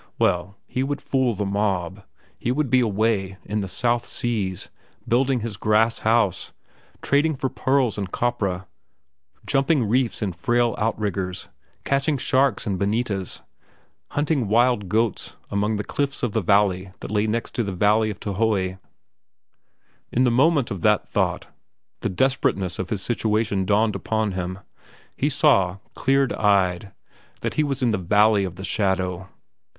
Well, he would fool the mob. He would be away, in the South Seas, building his grass house, trading for pearls and copra, jumping reefs in frail outriggers, catching sharks and bonitas, hunting wild goats among the cliffs of the valley that lay next to the valley of Taiohae. In the moment of that thought the desperateness of his situation dawned upon him. He saw, cleared eyed, that he was in the Valley of the Shadow.